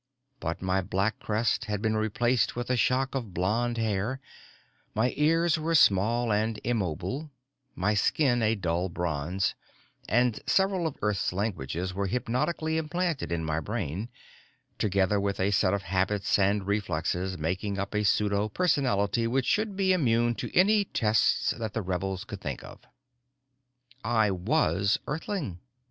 But my black crest had been replaced with a shock of blond hair, my ears were small and immobile, my skin a dull bronze, and several of Earth's languages were hypnotically implanted in my brain together with a set of habits and reflexes making up a pseudo personality which should be immune to any tests that the rebels could think of. I was Earthling!